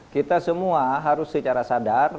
kita semua harus secara sadar